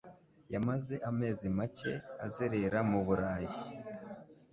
Yamaze amezi make azerera mu Burayi